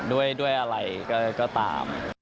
ด้วยอะไรก็ตาม